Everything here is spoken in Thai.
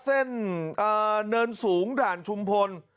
เส้นเนินสูงด่านชุมพล